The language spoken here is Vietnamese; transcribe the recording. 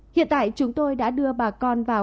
hiện tại chúng tôi đã đưa bà con vào